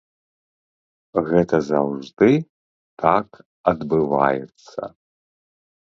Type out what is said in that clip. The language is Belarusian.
Гэта заўжды так адбываецца.